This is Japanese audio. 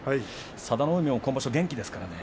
佐田の海も今場所元気ですからね。